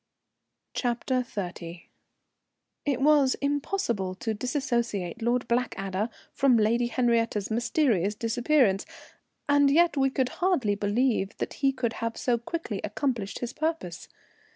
CHAPTER XXX. It was impossible to disassociate Lord Blackadder from Lady Henriette's mysterious disappearance, and yet we could hardly believe that he could have so quickly accomplished his purpose.